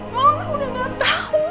ma udah gak tau